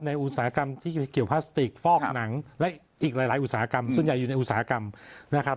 อุตสาหกรรมที่เกี่ยวพลาสติกฟอกหนังและอีกหลายอุตสาหกรรมส่วนใหญ่อยู่ในอุตสาหกรรมนะครับ